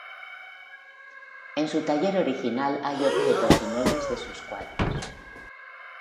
En su taller original hay objetos y muebles de sus cuadros.